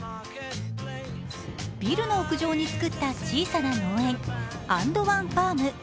ビルの屋上に作った小さな農園、＆ＯＮＥＦＡＲＭ。